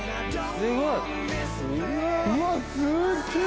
・すごい！